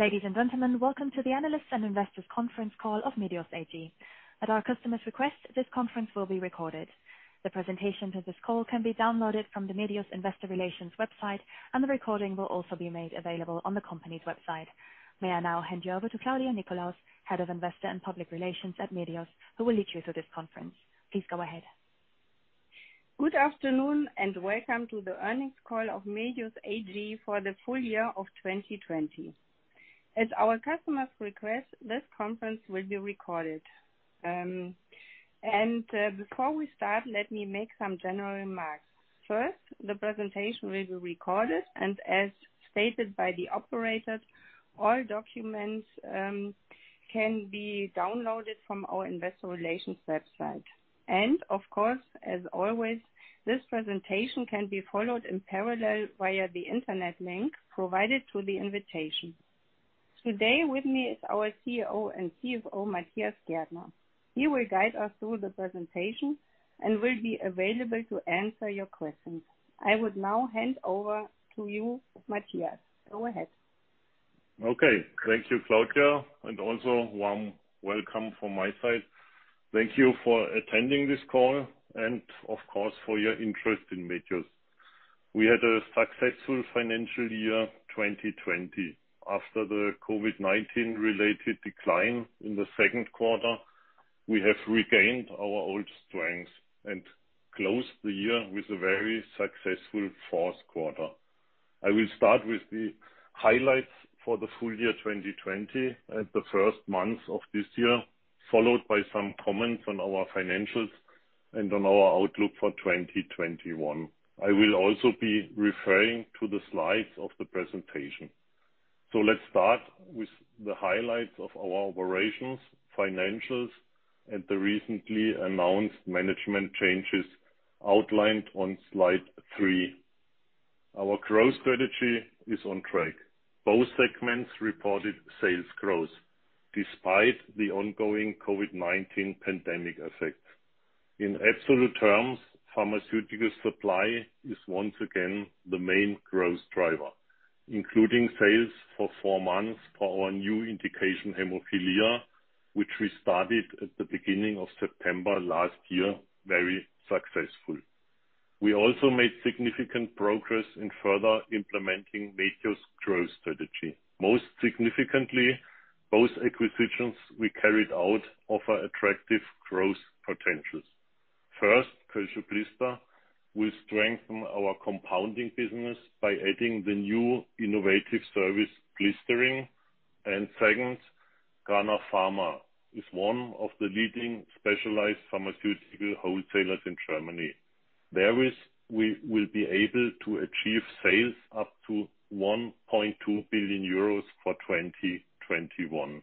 Ladies and gentlemen, welcome to the Analyst and Investors Conference call of Medios AG. At our customer's request, this conference will be recorded. The presentation to this call can be downloaded from the Medios Investor Relations website, and the recording will also be made available on the company's website. May I now hand you over to Claudia Nickolaus, Head of Investor and Public Relations at Medios, who will lead you through this conference. Please go ahead. Good afternoon, and welcome to the earnings call of Medios AG for the full year of 2020. At our customer's request, this conference will be recorded. Before we start, let me make some general remarks. First, the presentation will be recorded, and as stated by the operators, all documents can be downloaded from our Investor Relations website. Of course, as always, this presentation can be followed in parallel via the internet link provided through the invitation. Today, with me is our CEO and CFO, Matthias Gärtner. He will guide us through the presentation and will be available to answer your questions. I would now hand over to you, Matthias. Go ahead. Okay. Thank you, Claudia, and also warm welcome from my side. Thank you for attending this call, and of course, for your interest in Medios. We had a successful financial year 2020. After the COVID-19 related decline in the second quarter, we have regained our old strength and closed the year with a very successful fourth quarter. I will start with the highlights for the full year 2020 and the first months of this year, followed by some comments on our financials and on our outlook for 2021. I will also be referring to the slides of the presentation. Let's start with the highlights of our operations, financials, and the recently announced management changes outlined on slide three. Our growth strategy is on track. Both segments reported sales growth despite the ongoing COVID-19 pandemic effect. In absolute terms, pharmaceutical supply is once again the main growth driver, including sales for four months for our new indication hemophilia, which we started at the beginning of September last year, very successful. We also made significant progress in further implementing Medios growth strategy. Most significantly, both acquisitions we carried out offer attractive growth potentials. First, Kölsche Blister will strengthen our compounding business by adding the new innovative service, blistering. Second, Cranach Pharma is one of the leading specialized pharmaceutical wholesalers in Germany. Therewith, we will be able to achieve sales up to 1.2 billion euros for 2021.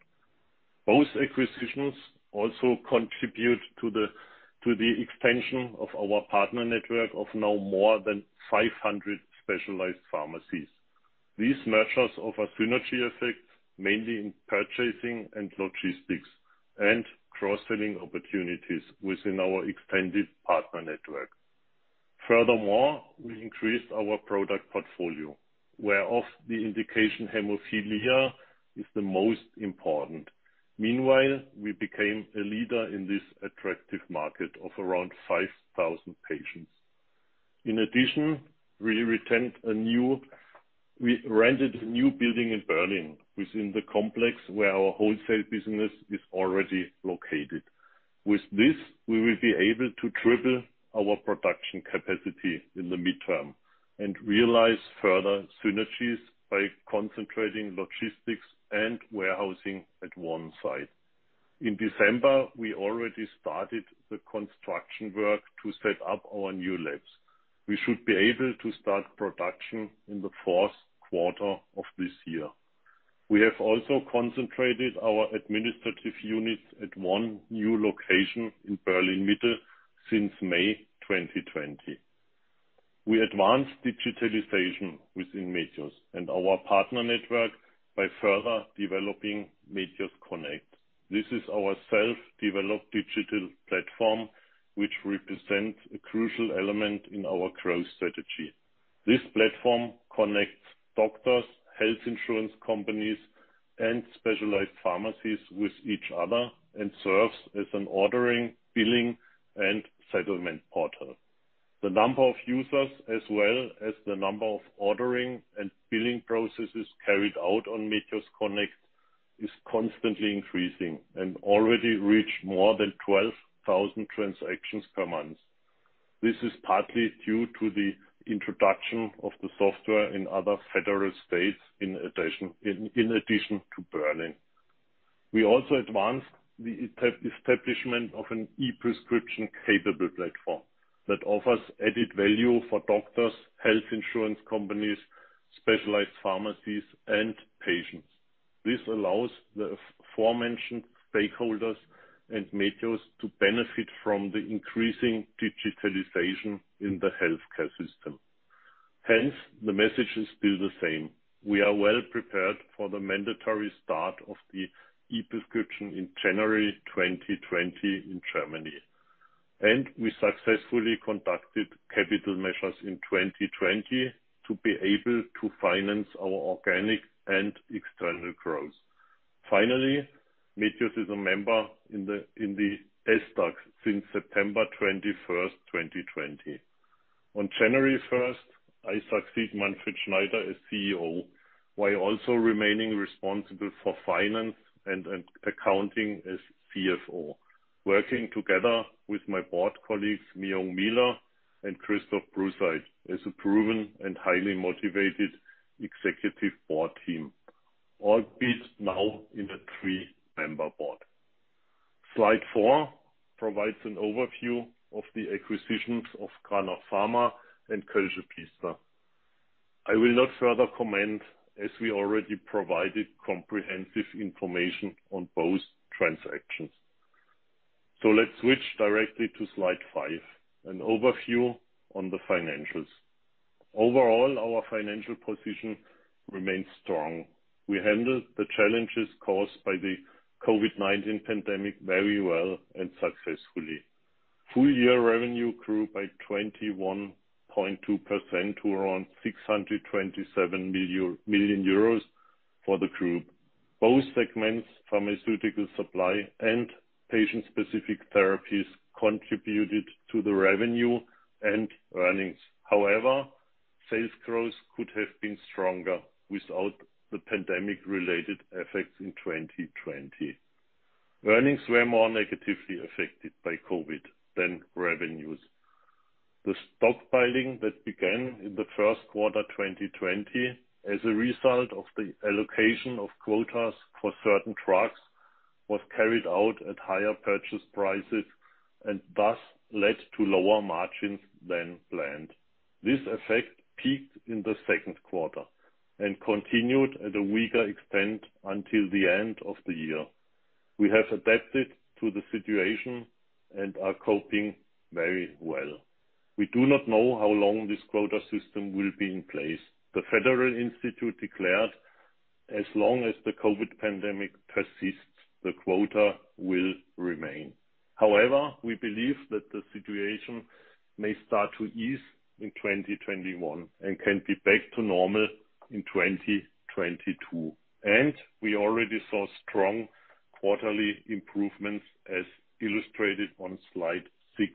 Both acquisitions also contribute to the extension of our partner network of now more than 500 specialized pharmacies. These mergers offer synergy effects, mainly in purchasing and logistics, and cross-selling opportunities within our extended partner network. Furthermore, we increased our product portfolio, whereof the indication hemophilia is the most important. Meanwhile, we became a leader in this attractive market of around 5,000 patients. In addition, we rented a new building in Berlin within the complex where our wholesale business is already located. With this, we will be able to triple our production capacity in the midterm and realize further synergies by concentrating logistics and warehousing at one site. In December, we already started the construction work to set up our new labs. We should be able to start production in the fourth quarter of this year. We have also concentrated our administrative units at one new location in Berlin-Mitte since May 2020. We advanced digitalization within Medios and our partner network by further developing mediosconnect. This is our self-developed digital platform, which represents a crucial element in our growth strategy. This platform connects doctors, health insurance companies, and specialized pharmacies with each other and serves as an ordering, billing, and settlement portal. The number of users as well as the number of ordering and billing processes carried out on mediosconnect is constantly increasing and already reached more than 12,000 transactions per month. This is partly due to the introduction of the software in other federal states in addition to Berlin. We also advanced the establishment of an e-prescription capable platform that offers added value for doctors, health insurance companies, specialized pharmacies, and patients. This allows the aforementioned stakeholders and Medios to benefit from the increasing digitalization in the healthcare system. Hence, the message is still the same. We are well prepared for the mandatory start of the e-prescription in January 2020 in Germany. We successfully conducted capital measures in 2020 to be able to finance our organic and external growth. Finally, Medios is a member in the SDAX since September 21st, 2020. On January 1st, I succeed Manfred Schneider as CEO, while also remaining responsible for finance and accounting as CFO. Working together with my board colleagues, Mi-Young Miehler and Christoph Prusseit, as a proven and highly motivated executive board team, albeit now in a three-member board. Slide four provides an overview of the acquisitions of Cranach Pharma and Kölsche Blister. I will not further comment as we already provided comprehensive information on both transactions. Let's switch directly to slide five, an overview on the financials. Overall, our financial position remains strong. We handled the challenges caused by the COVID-19 pandemic very well and successfully. Full-year revenue grew by 21.2% to around 627 million euros for the group. Both segments, pharmaceutical supply and patient-specific therapies, contributed to the revenue and earnings. However, sales growth could have been stronger without the pandemic-related effects in 2020. Earnings were more negatively affected by COVID than revenues. The stockpiling that began in the first quarter 2020, as a result of the allocation of quotas for certain drugs, was carried out at higher purchase prices and thus led to lower margins than planned. This effect peaked in the second quarter and continued at a weaker extent until the end of the year. We have adapted to the situation and are coping very well. We do not know how long this quota system will be in place. The Federal Institute declared as long as the COVID pandemic persists, the quota will remain. However, we believe that the situation may start to ease in 2021 and can be back to normal in 2022, and we already saw strong quarterly improvements as illustrated on slide six.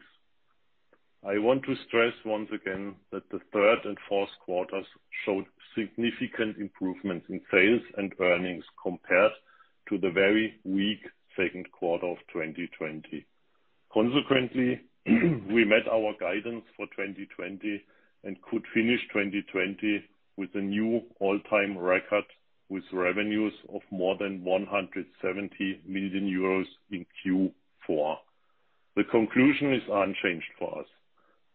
I want to stress once again that the third and fourth quarters showed significant improvements in sales and earnings compared to the very weak second quarter of 2020. Consequently, we met our guidance for 2020 and could finish 2020 with a new all-time record with revenues of more than 170 million euros in Q4. The conclusion is unchanged for us.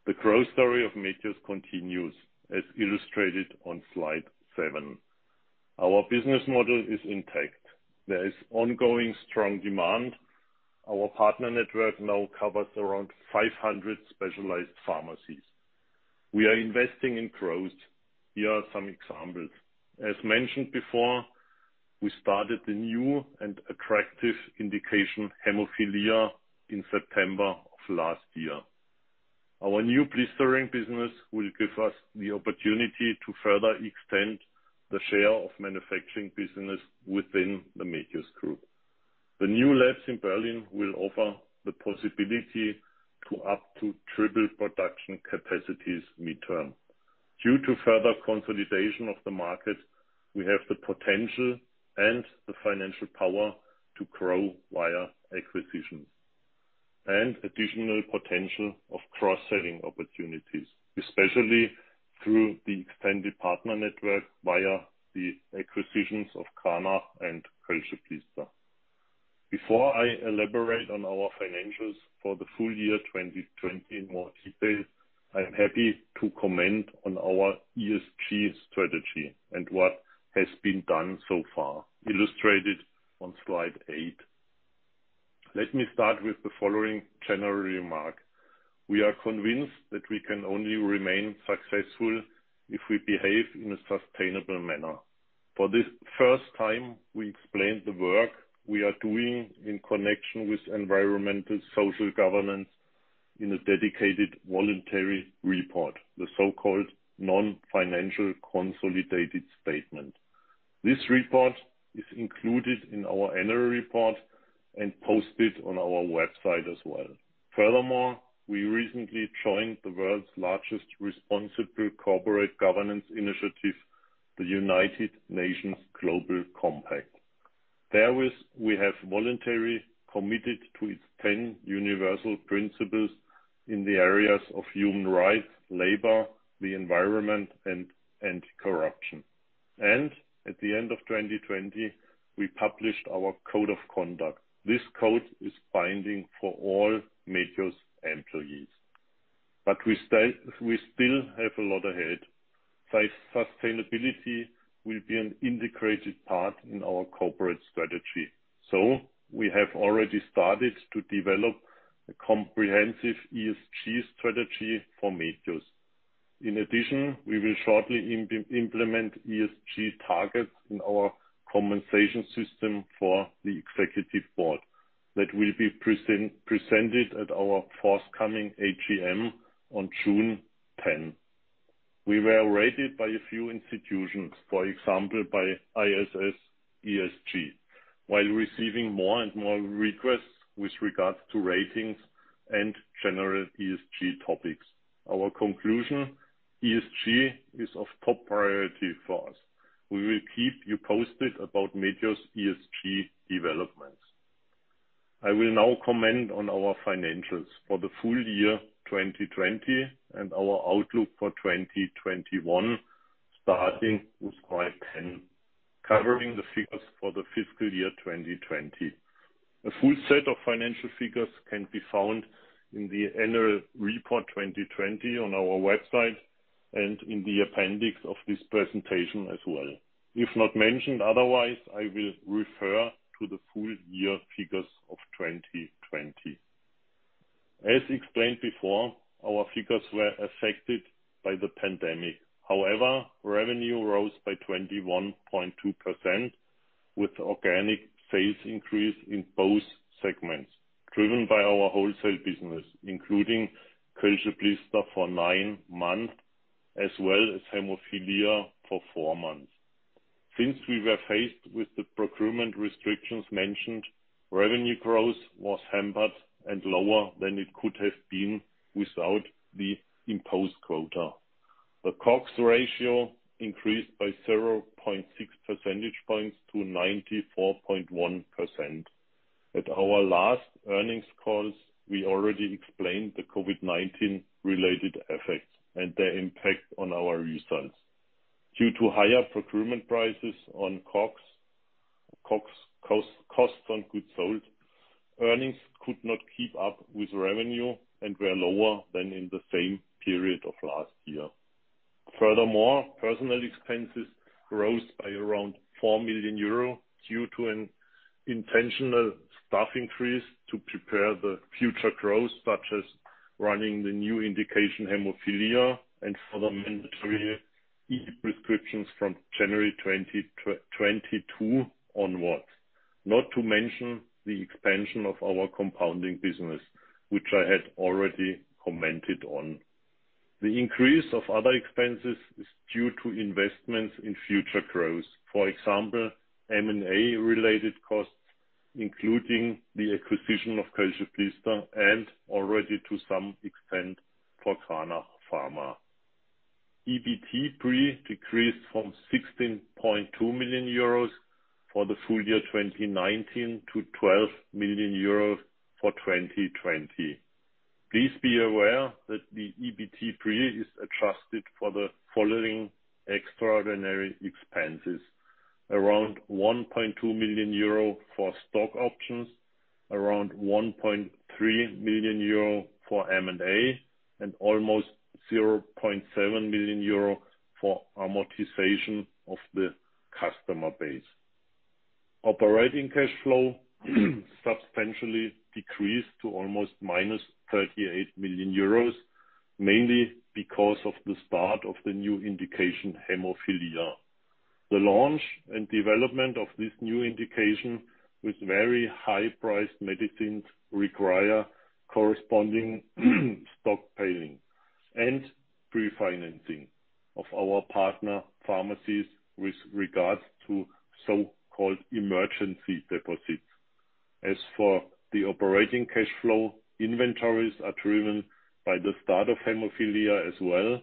The growth story of Medios continues as illustrated on slide seven. Our business model is intact. There is ongoing strong demand. Our partner network now covers around 500 specialized pharmacies. We are investing in growth. Here are some examples. As mentioned before, we started the new and attractive indication hemophilia in September of last year. Our new blistering business will give us the opportunity to further extend the share of manufacturing business within the Medios Group. The new labs in Berlin will offer the possibility to up to triple production capacities midterm. Due to further consolidation of the market, we have the potential and the financial power to grow via acquisitions, and additional potential of cross-selling opportunities, especially through the expanded partner network via the acquisitions of Cranach and Kölsche Blister. Before I elaborate on our financials for the full year 2020 in more detail, I am happy to comment on our ESG strategy and what has been done so far, illustrated on slide eight. Let me start with the following general remark. We are convinced that we can only remain successful if we behave in a sustainable manner. For this first time, we explain the work we are doing in connection with environmental, social, governance in a dedicated voluntary report, the so-called non-financial consolidated statement. This report is included in our annual report and posted on our website as well. Furthermore, we recently joined the world's largest responsible corporate governance initiative, the United Nations Global Compact. Therewith, we have voluntarily committed to its 10 universal principles in the areas of human rights, labor, the environment, and anti-corruption. At the end of 2020, we published our Code of Conduct. This code is binding for all Medios employees. We still have a lot ahead. Sustainability will be an integrated part in our corporate strategy. We have already started to develop a comprehensive ESG strategy for Medios. In addition, we will shortly implement ESG targets in our compensation system for the Executive Board. That will be presented at our forthcoming AGM on June 10. We were rated by a few institutions, for example, by ISS ESG, while receiving more and more requests with regards to ratings and general ESG topics. Our conclusion, ESG is of top priority for us. We will keep you posted about Medios ESG developments. I will now comment on our financials for the full year 2020 and our outlook for 2021, starting with slide 10, covering the figures for the fiscal year 2020. A full set of financial figures can be found in the annual report 2020 on our website and in the appendix of this presentation as well. If not mentioned otherwise, I will refer to the full year figures of 2020. As explained before, our figures were affected by the pandemic. However, revenue rose by 21.2% with organic sales increase in both segments, driven by our wholesale business, including Kölsche Blister for nine months as well as hemophilia for four months. Since we were faced with the procurement restrictions mentioned, revenue growth was hampered and lower than it could have been without the imposed quota. The COGS ratio increased by 0.6 percentage points to 94.1%. At our last earnings calls, we already explained the COVID-19 related effects and their impact on our results. Due to higher procurement prices on COGS, cost on goods sold, earnings could not keep up with revenue and were lower than in the same period of last year. Furthermore, personnel expenses grows by around 4 million euro due to an intentional staff increase to prepare the future growth, such as running the new indication hemophilia and for the mandatory e-prescriptions from January 2022 onwards. Not to mention the expansion of our compounding business, which I had already commented on. The increase of other expenses is due to investments in future growth, for example, M&A related costs, including the acquisition of Kölsche Blister GmbH and already to some extent for Cranach Pharma GmbH. EBT pre decreased from 16.2 million euros for the full year 2019 to 12 million euros for 2020. Please be aware that the EBT pre is adjusted for the following extraordinary expenses. Around 1.2 million euro for stock options, around 1.3 million euro for M&A, and almost 0.7 million euro for amortization of the customer base. Operating cash flow substantially decreased to almost -38 million euros, mainly because of the start of the new indication hemophilia. The launch and development of this new indication with very high-priced medicines require corresponding stockpiling and pre-financing of our partner pharmacies with regards to so-called emergency deposits. As for the operating cash flow, inventories are driven by the start of hemophilia as well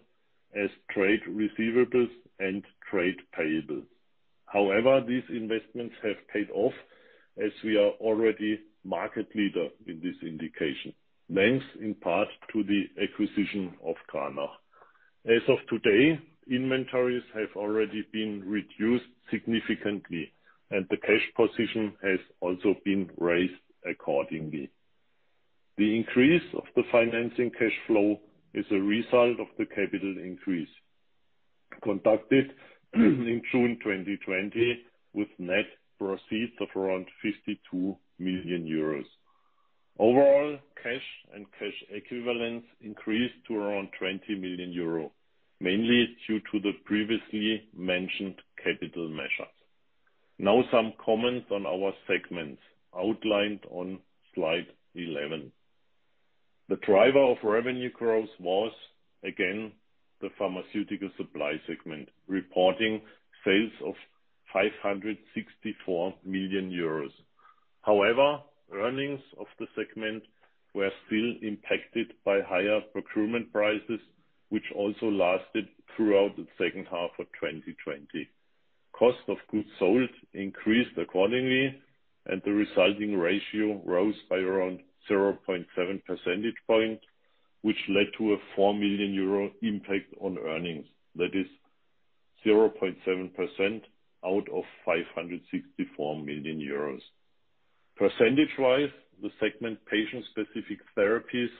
as trade receivables and trade payables. However, these investments have paid off as we are already market leader in this indication, thanks in part to the acquisition of Cranach Pharma GmbH. As of today, inventories have already been reduced significantly, and the cash position has also been raised accordingly. The increase of the financing cash flow is a result of the capital increase conducted in June 2020 with net proceeds of around 52 million euros. Overall, cash and cash equivalents increased to around 20 million euro, mainly due to the previously mentioned capital measures. Now some comments on our segments outlined on slide 11. The driver of revenue growth was, again, the Pharmaceutical Supply segment, reporting sales of 564 million euros. However, earnings of the segment were still impacted by higher procurement prices, which also lasted throughout the second half of 2020. Cost of goods sold increased accordingly, and the resulting ratio rose by around 0.7 percentage point, which led to a 4 million euro impact on earnings. That is 0.7% out of 564 million euros. Percentage-wise, the segment patient-specific therapies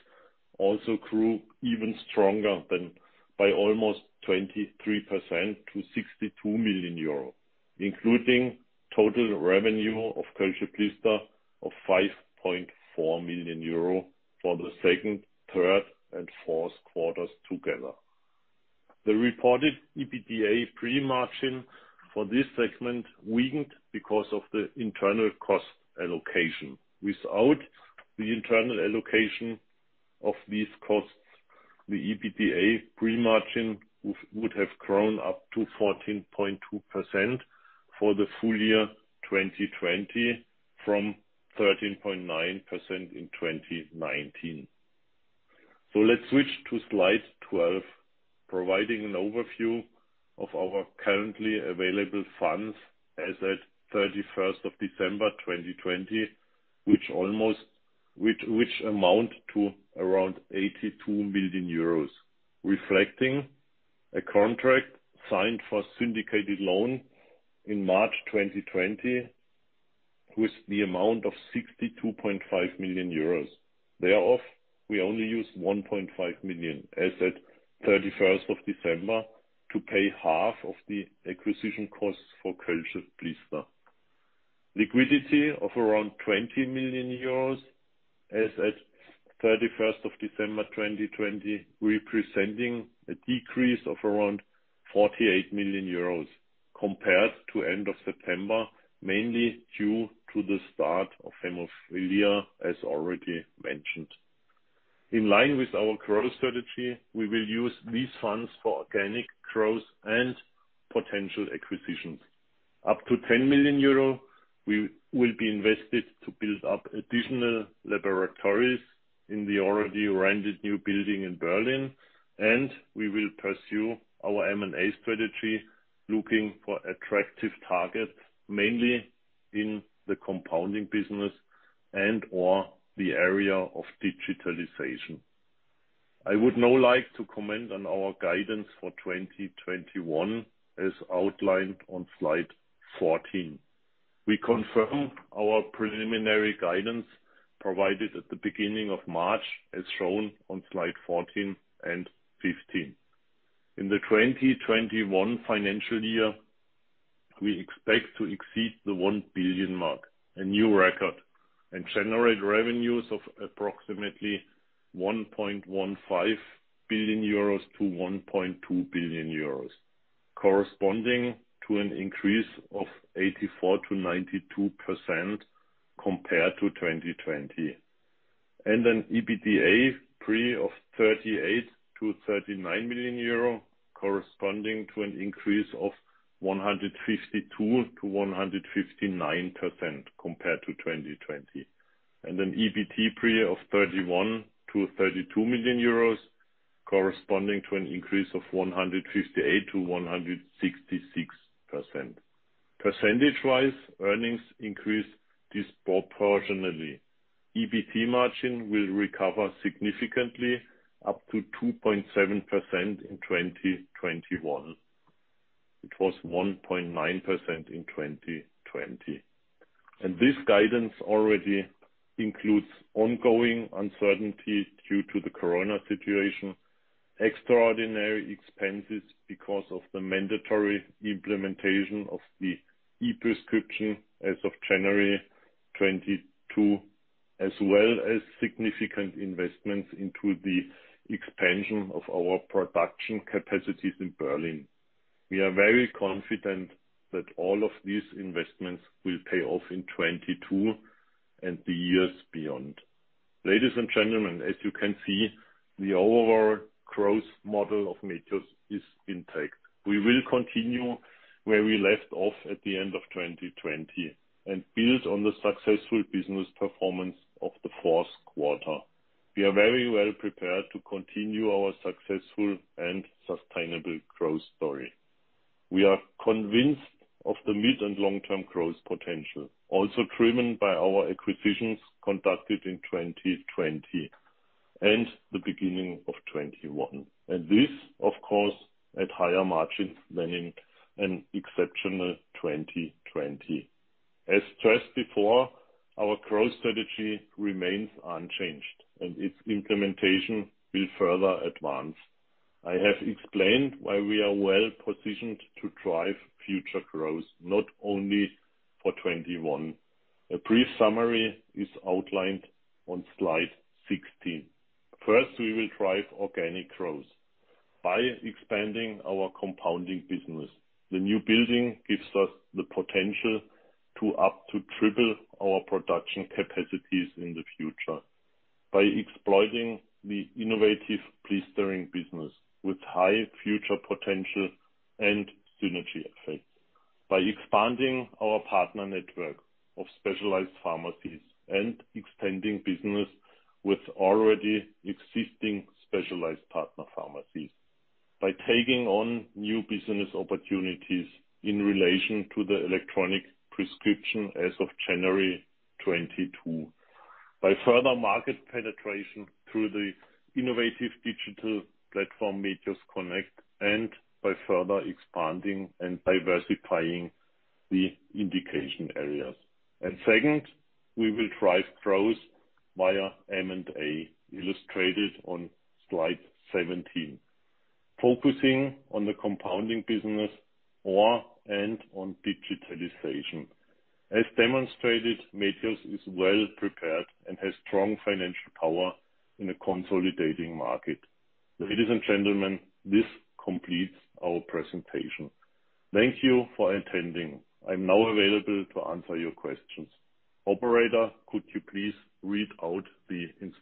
also grew even stronger than by almost 23% to 62 million euro. Including total revenue of Kölsche Blister of 5.4 million euro for the second, third, and fourth quarters together. The reported EBITDA pre-margin for this segment weakened because of the internal cost allocation. Without the internal allocation of these costs, the EBITDA pre-margin would have grown up to 14.2% for the full year 2020 from 13.9% in 2019. Let's switch to slide 12, providing an overview of our currently available funds as at December 31st, 2020, which amount to around 82 million euros, reflecting a contract signed for syndicated loan in March 2020 with the amount of 62.5 million euros. Thereof, we only use 1.5 million as at December, 31st to pay half of the acquisition costs for Kölsche Blister. Liquidity of around 20 million euros as at December 31st, 2020, representing a decrease of around 48 million euros compared to end of September, mainly due to the start of hemophilia, as already mentioned. In line with our growth strategy, we will use these funds for organic growth and potential acquisitions. Up to 10 million euro will be invested to build up additional laboratories in the already rented new building in Berlin, and we will pursue our M&A strategy looking for attractive targets mainly in the compounding business and or the area of digitalization. I would now like to comment on our guidance for 2021 as outlined on slide 14. We confirm our preliminary guidance provided at the beginning of March, as shown on slide 14 and 15. We expect to exceed the 1 billion mark, a new record, and generate revenues of approximately 1.15 billion euros to 1.2 billion euros, corresponding to an increase of 84% to 92% compared to 2020. An EBITDA pre of 38 million-39 million euro, corresponding to an increase of 152% to 159% compared to 2020. An EBT pre of 31 million-32 million euros corresponding to an increase of 158% to 166%. Percentage-wise, earnings increase disproportionately. EBT margin will recover significantly up to 2.7% in 2021. It was 1.9% in 2020. This guidance already includes ongoing uncertainty due to the corona situation, extraordinary expenses because of the mandatory implementation of the e-prescription as of January 2022, as well as significant investments into the expansion of our production capacities in Berlin. We are very confident that all of these investments will pay off in 2022 and the years beyond. Ladies and gentlemen, as you can see, the overall growth model of Medios is intact. We will continue where we left off at the end of 2020 and build on the successful business performance of the fourth quarter. We are very well prepared to continue our successful and sustainable growth story. We are convinced of the mid- and long-term growth potential, also driven by our acquisitions conducted in 2020 and the beginning of 2021. This, of course, at higher margins than in an exceptional 2020. As stressed before, our growth strategy remains unchanged and its implementation will further advance. I have explained why we are well-positioned to drive future growth, not only for 2021. A brief summary is outlined on slide 16. First, we will drive organic growth by expanding our compounding business. The new building gives us the potential to up to triple our production capacities in the future by exploiting the innovative blistering business with high future potential and synergy effects, by expanding our partner network of specialized pharmacies and extending business with already existing specialized partner pharmacies, by taking on new business opportunities in relation to the e-prescription as of January 2022, by further market penetration through the innovative digital platform mediosconnect, and by further expanding and diversifying the indication areas. Second, we will drive growth via M&A, illustrated on slide 17, focusing on the compounding business or/and on digitalization. As demonstrated, Medios is well prepared and has strong financial power in a consolidating market. Ladies and gentlemen, this completes our presentation. Thank you for attending. I'm now available to answer your questions. Operator, could you please read out the instructions?